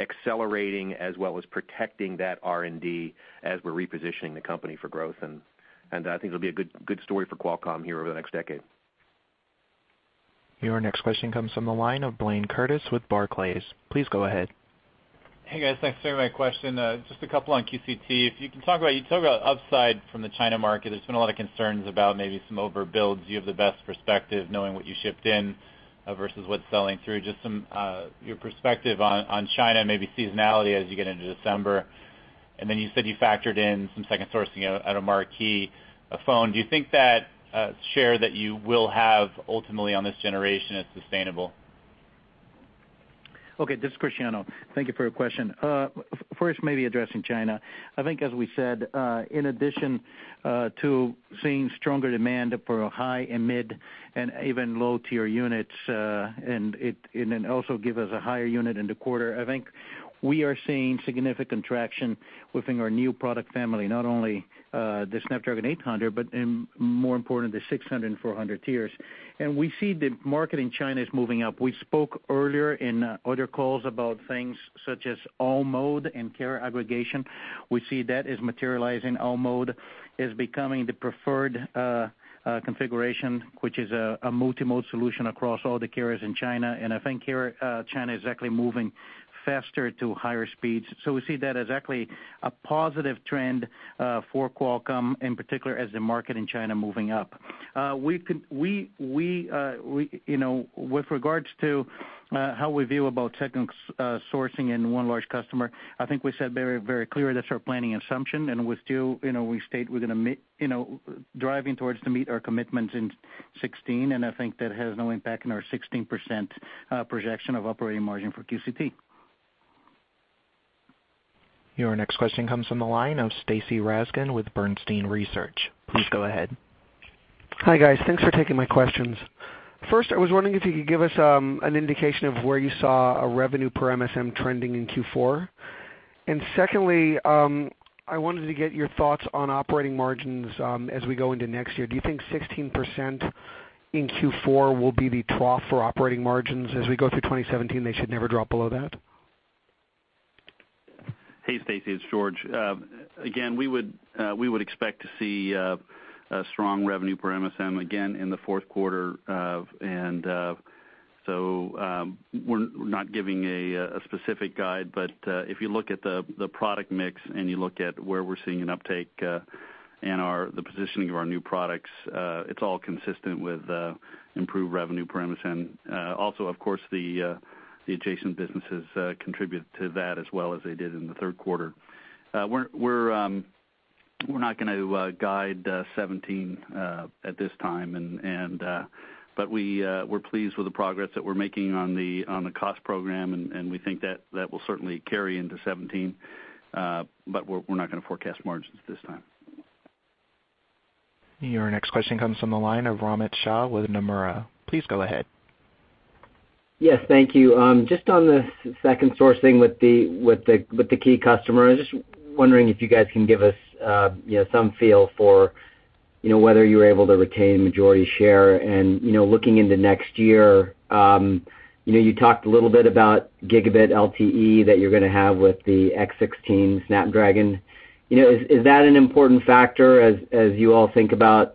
Speaker 3: accelerating as well as protecting that R&D as we're repositioning the company for growth, and I think it'll be a good story for Qualcomm here over the next decade.
Speaker 1: Your next question comes from the line of Blayne Curtis with Barclays. Please go ahead.
Speaker 13: Hey, guys, thanks for taking my question. Just a couple on QCT. If you can talk about upside from the China market, there's been a lot of concerns about maybe some overbuilds. You have the best perspective knowing what you shipped in versus what's selling through. Just some your perspective on China, maybe seasonality as you get into December. Then you said you factored in some second sourcing at a marquee phone. Do you think that share that you will have ultimately on this generation is sustainable?
Speaker 14: Okay, this is Cristiano. Thank you for your question. First, maybe addressing China. I think as we said, in addition to seeing stronger demand for high and mid and even low-tier units, it also give us a higher unit in the quarter. I think we are seeing significant traction within our new product family, not only the Snapdragon 800, but more important, the Snapdragon 600 and Snapdragon 400 tiers. We see the market in China is moving up. We spoke earlier in other calls about things such as all mode and carrier aggregation. We see that as materializing. All mode is becoming the preferred configuration, which is a multi-mode solution across all the carriers in China. I think here, China is actually moving faster to higher speeds. We see that as actually a positive trend for Qualcomm in particular as the market in China moving up. With regards to how we view about second sourcing and one large customer, I think we said very clear that's our planning assumption. We still state we're going to meet, driving towards to meet our commitments in 2016. I think that has no impact in our 16% projection of operating margin for QCT.
Speaker 1: Your next question comes from the line of Stacy Rasgon with Bernstein Research. Please go ahead.
Speaker 15: Hi, guys. Thanks for taking my questions. First, I was wondering if you could give us an indication of where you saw revenue per MSM trending in Q4. Secondly, I wanted to get your thoughts on operating margins as we go into next year. Do you think 16% in Q4 will be the trough for operating margins as we go through 2017? They should never drop below that?
Speaker 5: Hey, Stacy, it's George. Again, we would expect to see a strong revenue per MSM again in the fourth quarter. We're not giving a specific guide, but if you look at the product mix and you look at where we're seeing an uptake and the positioning of our new products, it's all consistent with improved revenue per MSM and also of course the adjacent businesses contribute to that as well as they did in the third quarter. We're not going to guide 2017 at this time, but we're pleased with the progress that we're making on the cost program, and we think that will certainly carry into 2017. We're not going to forecast margins this time.
Speaker 1: Your next question comes from the line of Amit Shah with Nomura. Please go ahead.
Speaker 16: Yes. Thank you. Just on the second sourcing with the key customer, I'm just wondering if you guys can give us some feel for whether you were able to retain majority share and looking into next year, you talked a little bit about gigabit LTE that you're going to have with the Snapdragon X16. Is that an important factor as you all think about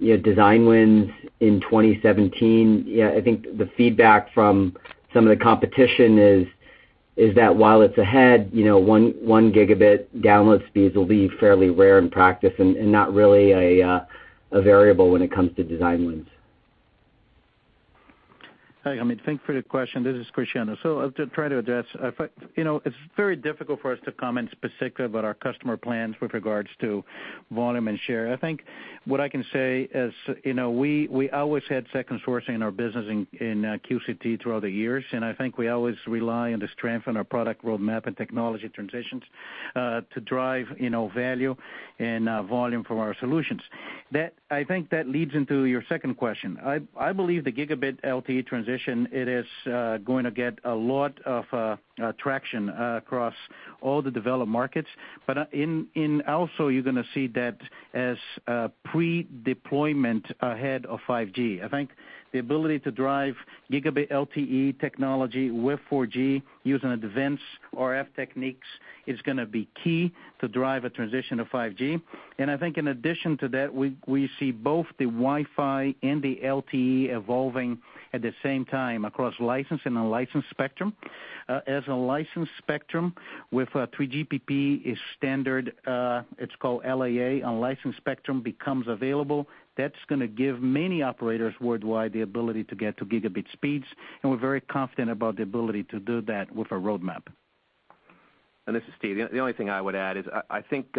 Speaker 16: design wins in 2017? I think the feedback from some of the competition is that while it's ahead, 1 gigabit download speeds will be fairly rare in practice and not really a variable when it comes to design wins.
Speaker 14: Hi, Amit. Thanks for the question. This is Cristiano. I'll try to address. It's very difficult for us to comment specifically about our customer plans with regards to volume and share. I think what I can say is we always had second sourcing in our business in QCT throughout the years, and I think we always rely on the strength in our product roadmap and technology transitions to drive value and volume from our solutions. I think that leads into your second question. I believe the gigabit LTE transition, it is going to get a lot of traction across all the developed markets. Also you're going to see that as pre-deployment ahead of 5G. I think the ability to drive gigabit LTE technology with 4G using advanced RF techniques is going to be key to drive a transition to 5G. I think in addition to that, we see both the Wi-Fi and the LTE evolving at the same time across licensed and unlicensed spectrum. As unlicensed spectrum with 3GPP is standard, it's called LAA, unlicensed spectrum becomes available. That's going to give many operators worldwide the ability to get to gigabit speeds, and we're very confident about the ability to do that with our roadmap.
Speaker 3: This is Steve. The only thing I would add is I think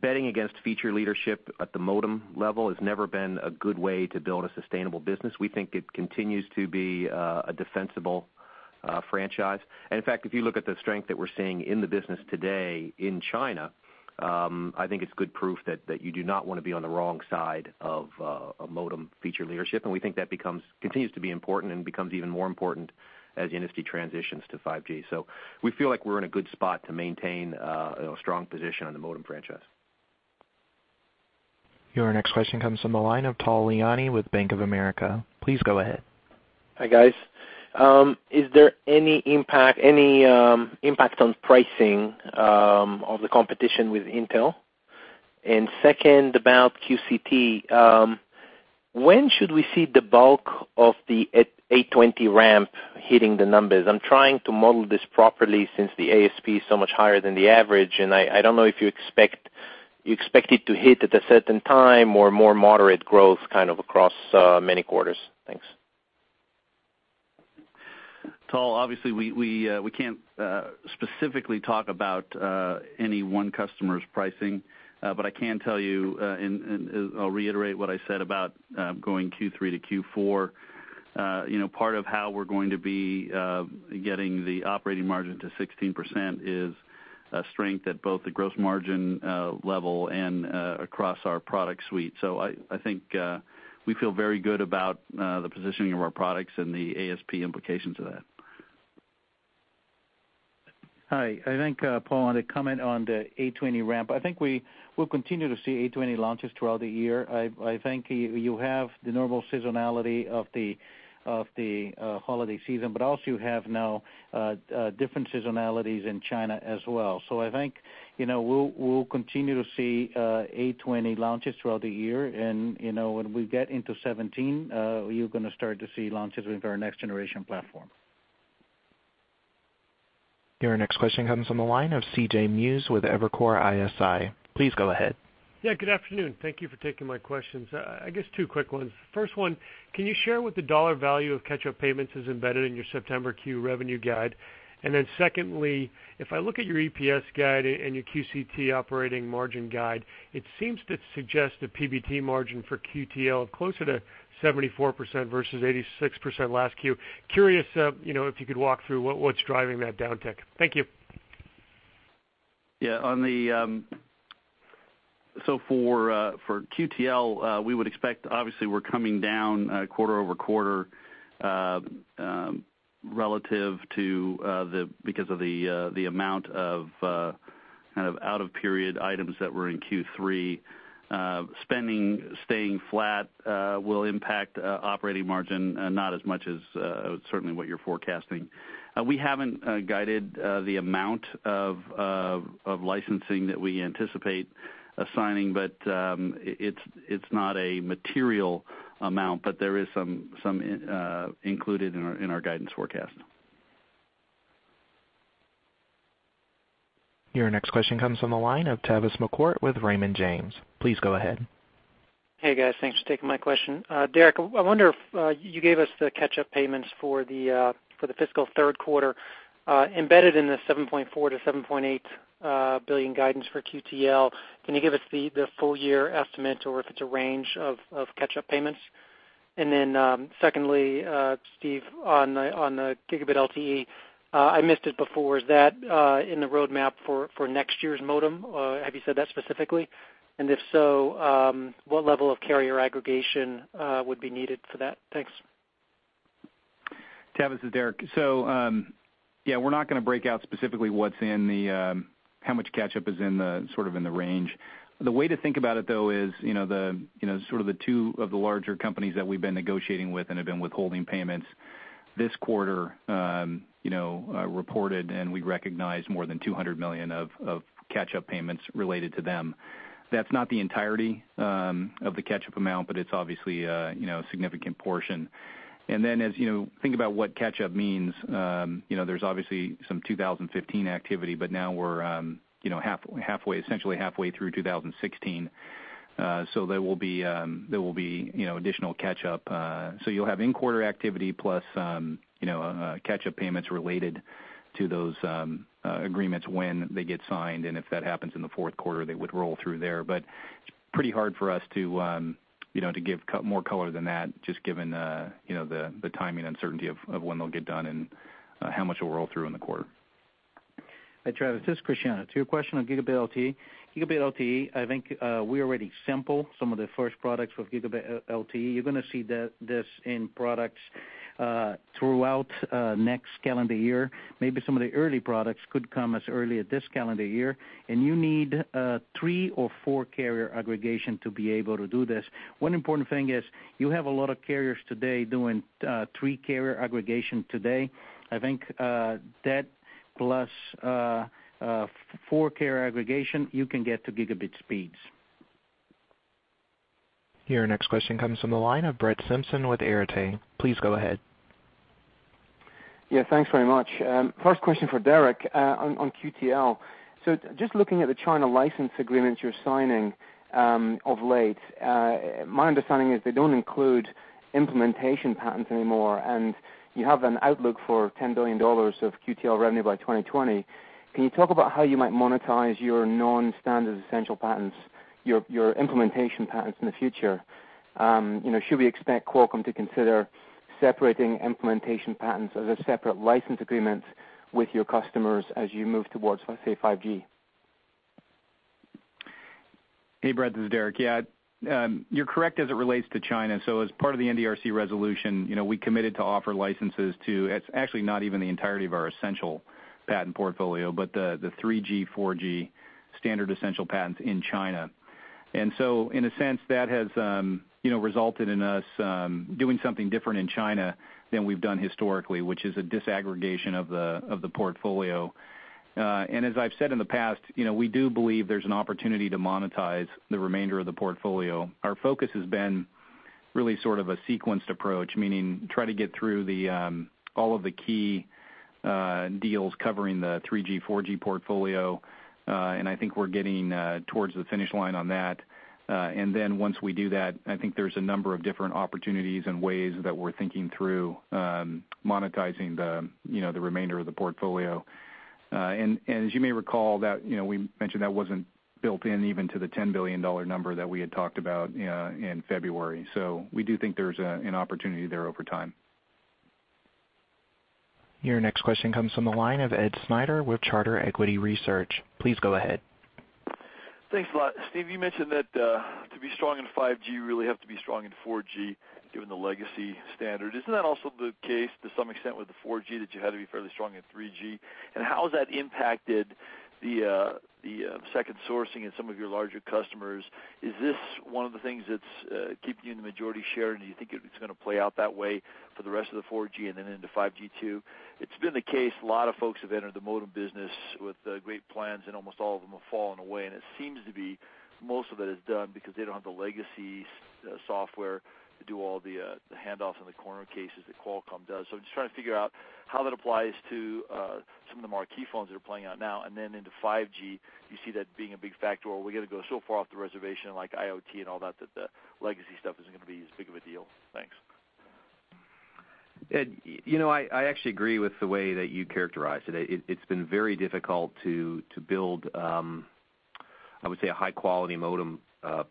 Speaker 3: betting against feature leadership at the modem level has never been a good way to build a sustainable business. We think it continues to be a defensible franchise. In fact, if you look at the strength that we're seeing in the business today in China, I think it's good proof that you do not want to be on the wrong side of a modem feature leadership, and we think that continues to be important and becomes even more important as the industry transitions to 5G. We feel like we're in a good spot to maintain a strong position on the modem franchise.
Speaker 1: Your next question comes from the line of Tal Liani with Bank of America. Please go ahead.
Speaker 17: Hi, guys. Is there any impact on pricing of the competition with Intel? Second, about QCT, when should we see the bulk of the 820 ramp hitting the numbers? I'm trying to model this properly since the ASP is so much higher than the average, I don't know if you expect it to hit at a certain time or more moderate growth across many quarters. Thanks.
Speaker 5: Tal, obviously, we can't specifically talk about any one customer's pricing, I can tell you and I'll reiterate what I said about going Q3 to Q4. Part of how we're going to be getting the operating margin to 16% is strength at both the gross margin level and across our product suite. I think we feel very good about the positioning of our products and the ASP implications of that.
Speaker 14: Hi. I think Tal had a comment on the 820 ramp. I think we will continue to see 820 launches throughout the year. I think you have the normal seasonality of the holiday season, also you have now different seasonalities in China as well. I think we'll continue to see 820 launches throughout the year, when we get into 2017, you're going to start to see launches with our next generation platform.
Speaker 1: Your next question comes from the line of C.J. Muse with Evercore ISI. Please go ahead.
Speaker 18: Yeah. Good afternoon. Thank you for taking my questions. I guess two quick ones. First one, can you share what the dollar value of catch-up payments is embedded in your September Q revenue guide? Secondly, if I look at your EPS guide and your QCT operating margin guide, it seems to suggest a PBT margin for QTL closer to 74% versus 86% last Q. Curious if you could walk through what's driving that downtick. Thank you.
Speaker 5: Yeah. For QTL, we would expect, obviously we're coming down quarter-over-quarter because of the amount of out-of-period items that were in Q3. Spending staying flat will impact operating margin, not as much as certainly what you're forecasting. We haven't guided the amount of licensing that we anticipate assigning, but it's not a material amount, but there is some included in our guidance forecast.
Speaker 1: Your next question comes from the line of Tavis McCourt with Raymond James. Please go ahead.
Speaker 19: Hey, guys. Thanks for taking my question. Derek, I wonder if you gave us the catch-up payments for the fiscal third quarter, embedded in the $7.4 billion-$7.8 billion guidance for QTL. Can you give us the full year estimate, or if it's a range of catch-up payments? Secondly, Steve, on the Gigabit LTE, I missed it before, is that in the roadmap for next year's modem? Have you said that specifically? If so, what level of carrier aggregation would be needed for that? Thanks.
Speaker 4: Tavis, it's Derek. Yeah, we're not going to break out specifically how much catch-up is in the range. The way to think about it, though, is the two of the larger companies that we've been negotiating with and have been withholding payments this quarter, reported, and we recognized more than $200 million of catch-up payments related to them. That's not the entirety of the catch-up amount, but it's obviously a significant portion. As you think about what catch-up means, there's obviously some 2015 activity, but now we're essentially halfway through 2016. There will be additional catch-up. You'll have in-quarter activity plus catch-up payments related to those agreements when they get signed. If that happens in the fourth quarter, they would roll through there. It's pretty hard for us to give more color than that, just given the timing uncertainty of when they'll get done and how much it will roll through in the quarter.
Speaker 14: Hi, Tavis, this is Cristiano. To your question on Gigabit LTE. Gigabit LTE, I think we already sample some of the first products with Gigabit LTE. You're going to see this in products throughout next calendar year. Maybe some of the early products could come as early as this calendar year, and you need three or four-carrier aggregation to be able to do this. One important thing is you have a lot of carriers today doing three-carrier aggregation today. I think that plus four-carrier aggregation, you can get to gigabit speeds.
Speaker 1: Your next question comes from the line of Brett Simpson with Arete. Please go ahead.
Speaker 20: Yeah, thanks very much. First question for Derek on QTL. Just looking at the China license agreements you're signing of late, my understanding is they don't include implementation patents anymore, and you have an outlook for $10 billion of QTL revenue by 2020. Can you talk about how you might monetize your non-standard essential patents, your implementation patents in the future? Should we expect Qualcomm to consider separating implementation patents as a separate license agreement with your customers as you move towards, let's say, 5G?
Speaker 4: Hey, Brett, this is Derek. Yeah, you're correct as it relates to China. As part of the NDRC resolution, we committed to offer licenses to, it's actually not even the entirety of our essential patent portfolio, but the 3G, 4G standard essential patents in China. In a sense, that has resulted in us doing something different in China than we've done historically, which is a disaggregation of the portfolio. As I've said in the past, we do believe there's an opportunity to monetize the remainder of the portfolio. Our focus has been really sort of a sequenced approach, meaning try to get through all of the key deals covering the 3G, 4G portfolio, and I think we're getting towards the finish line on that. Once we do that, I think there's a number of different opportunities and ways that we're thinking through monetizing the remainder of the portfolio. As you may recall, we mentioned that wasn't built in even to the $10 billion number that we had talked about in February. We do think there's an opportunity there over time.
Speaker 1: Your next question comes from the line of Edward Snyder with Charter Equity Research. Please go ahead.
Speaker 21: Thanks a lot. Steve, you mentioned that to be strong in 5G, you really have to be strong in 4G, given the legacy standard. Isn't that also the case to some extent with the 4G, that you had to be fairly strong in 3G? How has that impacted the second sourcing in some of your larger customers? Is this one of the things that's keeping you in the majority share, and do you think it's going to play out that way for the rest of the 4G and then into 5G too? It's been the case, a lot of folks have entered the modem business with great plans, and almost all of them have fallen away, and it seems to be most of it is done because they don't have the legacy software to do all the handoffs and the corner cases that Qualcomm does. I'm just trying to figure out how that applies to some of the more key phones that are playing out now and then into 5G. Do you see that being a big factor, or are we going to go so far off the reservation, like IoT and all that the legacy stuff isn't going to be as big of a deal? Thanks.
Speaker 3: Ed, I actually agree with the way that you characterize today. It's been very difficult to build, I would say, a high-quality modem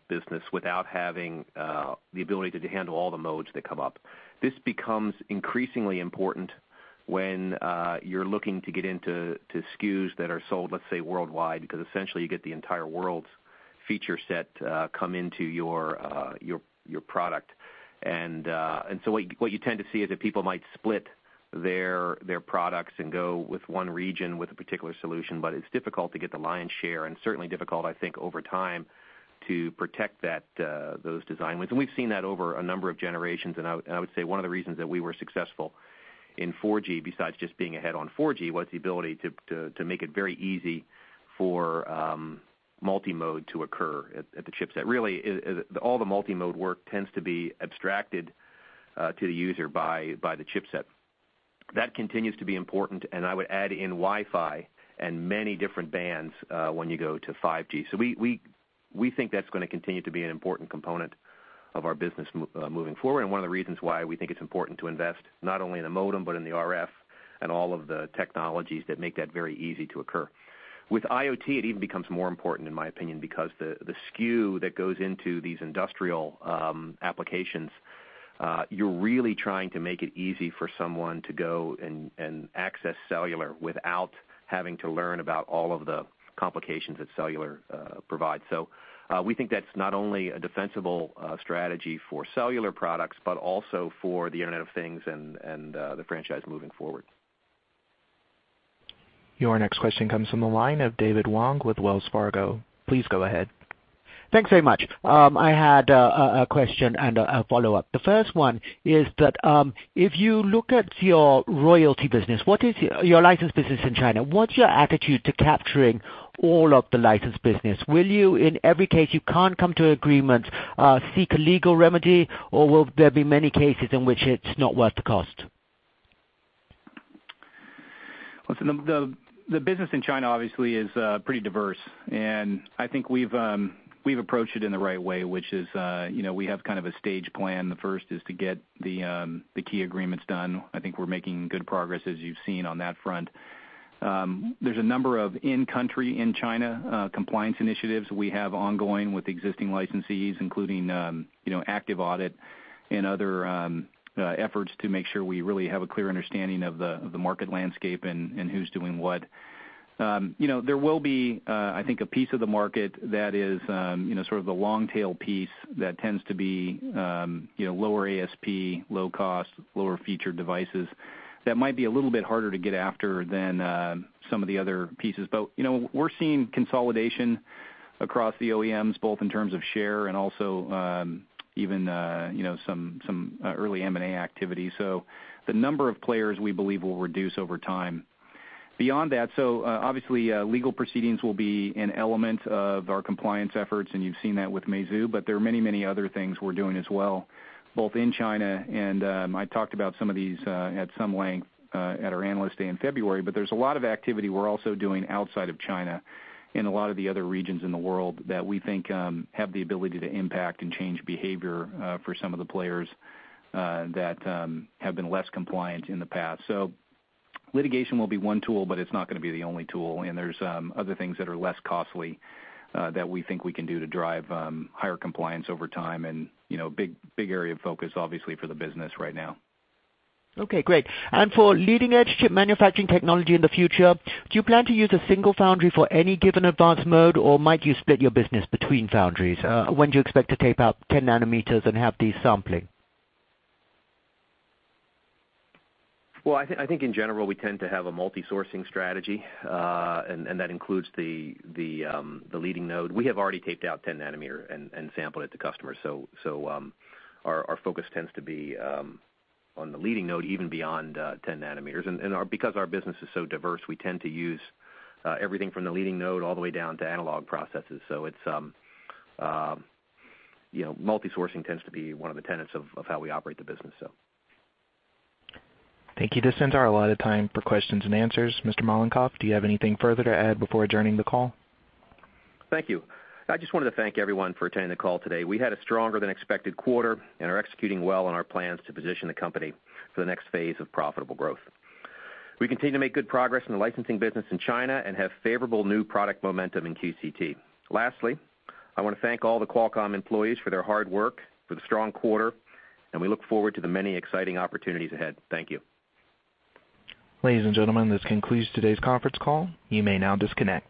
Speaker 3: business without having the ability to handle all the modes that come up. This becomes increasingly important when you're looking to get into SKUs that are sold, let's say, worldwide, because essentially you get the entire world's feature set come into your product. What you tend to see is that people might split their products and go with one region with a particular solution, but it's difficult to get the lion's share, and certainly difficult, I think, over time to protect those design wins. We've seen that over a number of generations, and I would say one of the reasons that we were successful in 4G, besides just being ahead on 4G, was the ability to make it very easy for multi-mode to occur at the chipset. Really, all the multi-mode work tends to be abstracted to the user by the chipset. That continues to be important, and I would add in Wi-Fi and many different bands when you go to 5G. We think that's going to continue to be an important component of our business moving forward and one of the reasons why we think it's important to invest not only in a modem, but in the RF and all of the technologies that make that very easy to occur. With IoT, it even becomes more important, in my opinion, because the SKU that goes into these industrial applications, you're really trying to make it easy for someone to go and access cellular without having to learn about all of the complications that cellular provides. We think that's not only a defensible strategy for cellular products, but also for the Internet of Things and the franchise moving forward.
Speaker 1: Your next question comes from the line of David Wong with Wells Fargo. Please go ahead.
Speaker 22: Thanks very much. I had a question and a follow-up. The first one is that if you look at your royalty business, your license business in China, what's your attitude to capturing all of the license business? Will you, in every case you can't come to agreement, seek a legal remedy, or will there be many cases in which it's not worth the cost?
Speaker 4: Listen, the business in China obviously is pretty diverse, and I think we've approached it in the right way, which is we have kind of a stage plan. The first is to get the key agreements done. I think we're making good progress as you've seen on that front. There's a number of in-country, in China, compliance initiatives we have ongoing with existing licensees, including active audit and other efforts to make sure we really have a clear understanding of the market landscape and who's doing what. There will be, I think, a piece of the market that is sort of the long-tail piece that tends to be lower ASP, low cost, lower featured devices that might be a little bit harder to get after than some of the other pieces. We're seeing consolidation across the OEMs, both in terms of share and also even some early M&A activity. The number of players, we believe, will reduce over time. Beyond that, obviously legal proceedings will be an element of our compliance efforts, and you've seen that with Meizu, but there are many other things we're doing as well, both in China, and I talked about some of these at some length at our Analyst Day in February. There's a lot of activity we're also doing outside of China in a lot of the other regions in the world that we think have the ability to impact and change behavior for some of the players that have been less compliant in the past. Litigation will be one tool, but it's not going to be the only tool, and there's other things that are less costly that we think we can do to drive higher compliance over time and big area of focus, obviously, for the business right now.
Speaker 22: Okay, great. For leading-edge chip manufacturing technology in the future, do you plan to use a single foundry for any given advanced node, or might you split your business between foundries? When do you expect to tape out 10 nanometers and have these sampling?
Speaker 3: I think in general, we tend to have a multi-sourcing strategy that includes the leading node. We have already taped out 10 nanometer and sampled it to customers. Our focus tends to be on the leading node, even beyond 10 nanometers. Because our business is so diverse, we tend to use everything from the leading node all the way down to analog processes. Multi-sourcing tends to be one of the tenets of how we operate the business.
Speaker 1: Thank you. This ends our allotted time for questions and answers. Mr. Mollenkopf, do you have anything further to add before adjourning the call?
Speaker 3: Thank you. I just wanted to thank everyone for attending the call today. We had a stronger than expected quarter and are executing well on our plans to position the company for the next phase of profitable growth. We continue to make good progress in the licensing business in China and have favorable new product momentum in QCT. Lastly, I want to thank all the Qualcomm employees for their hard work, for the strong quarter, and we look forward to the many exciting opportunities ahead. Thank you.
Speaker 1: Ladies and gentlemen, this concludes today's conference call. You may now disconnect.